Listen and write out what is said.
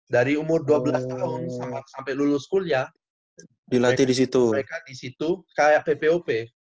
dari umur dua belas tahun sampai lulus kuliah mereka disitu kayak ppup